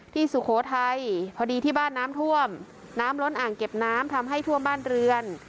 สุโขทัยพอดีที่บ้านน้ำท่วมน้ำล้นอ่างเก็บน้ำทำให้ท่วมบ้านเรือน